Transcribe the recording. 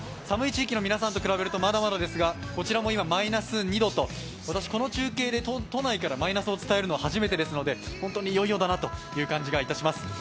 寒い地域の皆さんと比べるとまだまだですがこちらも今、マイナス２度と私、この中継で都内からマイナスを伝えるのは初めてですので本当にいよいよだなという感じがいたします。